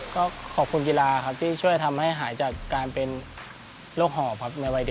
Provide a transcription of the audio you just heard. ก็ขอบคุณกีฬาครับที่ช่วยทำให้หายจากการเป็นโรคหอบครับในวัยเด็ก